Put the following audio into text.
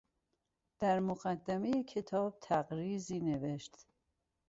در مقدمهٔ کتاب تقریظی نوشت.